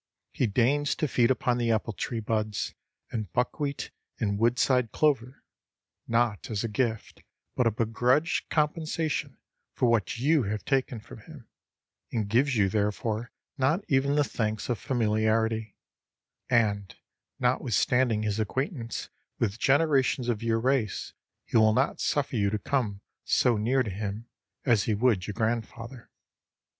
He deigns to feed upon apple tree buds and buckwheat and woodside clover, not as a gift, but a begrudged compensation for what you have taken from him, and gives you therefor not even the thanks of familiarity; and notwithstanding his acquaintance with generations of your race he will not suffer you to come so near to him as he would your grandfather.